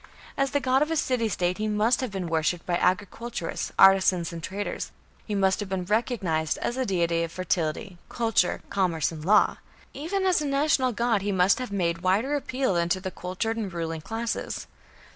As the god of a city state he must have been worshipped by agriculturists, artisans, and traders; he must have been recognized as a deity of fertility, culture, commerce, and law. Even as a national god he must have made wider appeal than to the cultured and ruling classes.